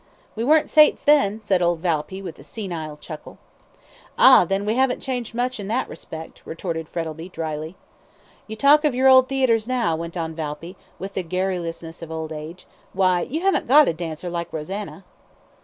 "We weren't saints then," said old Valpy, with a senile chuckle. "Ah, then, we haven't changed much in that respect," retorted Frettlby, drily. "You talk of your theatres now," went on Valpy, with the garrulousness of old age; "why, you haven't got a dancer like Rosanna."